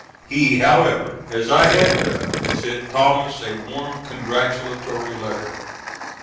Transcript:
He, however, as I had done, sent Thomas a warm congratulatory letter.